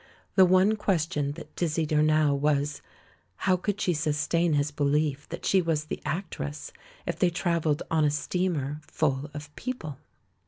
The one question that dizzied her now was, how could she sustain his belief that she was the actress if they travelled on a steamer full of people?